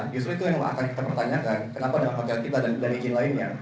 justru itu yang akan kita pertanyakan kenapa dalam hotel kita dan izin lainnya